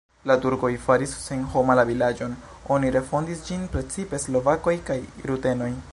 La turkoj faris senhoma la vilaĝon, oni refondis ĝin precipe slovakoj kaj rutenoj.